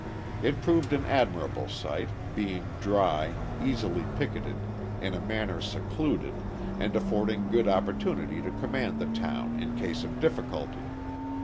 It proved an admirable site, being dry, easily picketed, in a manner secluded, and affording good opportunity to command the town in case of difficulty.